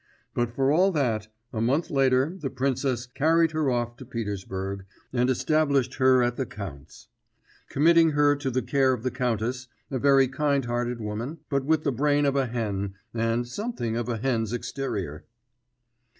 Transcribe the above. But for all that, a month later the princess carried her off to Petersburg, and established her at the count's; committing her to the care of the countess, a very kind hearted woman, but with the brain of a hen, and something of a hen's exterior.